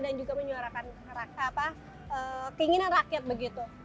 dan juga menyuarakan keinginan rakyat begitu